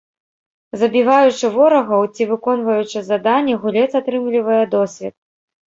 Забіваючы ворагаў ці выконваючы заданні, гулец атрымлівае досвед.